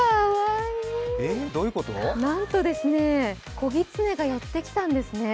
なんと子ぎつねが寄ってきたんですね。